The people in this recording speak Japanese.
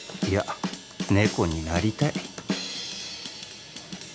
いや猫になりたい